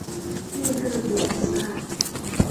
恋歌的主题是爱。